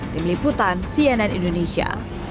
tim liputan sianan indonesia